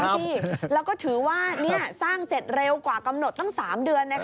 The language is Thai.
สิแล้วก็ถือว่าสร้างเสร็จเร็วกว่ากำหนดตั้ง๓เดือน